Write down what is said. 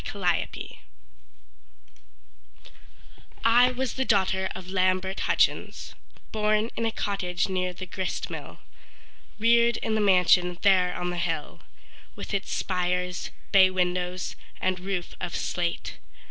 Lillian Stewart I was the daughter of Lambert Hutchins, Born in a cottage near the grist mill, Reared in the mansion there on the hill, With its spires, bay windows, and roof of slate.